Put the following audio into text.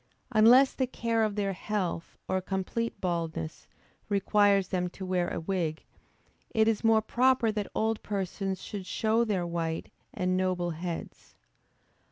Unless the care of their health, or complete baldness, requires them to wear a wig, it is more proper that old persons should show their white and noble heads.